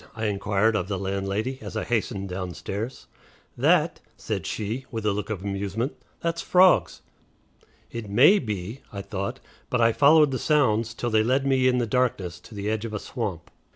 I inquired of the landlady as I hastened downstairs. "That?" said she, with a look of amusement; "that's frogs." "It may be," I thought, but I followed the sounds till they led me in the darkness to the edge of a swamp.